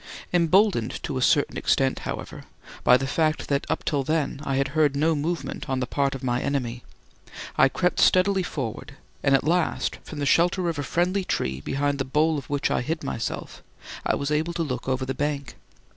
Emboldened to a certain extent, however, by the fact that up till then I had heard no movement on the part of my enemy, I crept steadily forward and at last, from the shelter of a friendly tree behind the bole of which I hid myself, I was able to look over the bank.